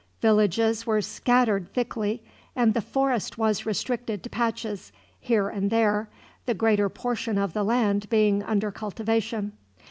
Villages were scattered thickly, and the forest was restricted to patches, here and there, the greater portion of the land being under cultivation.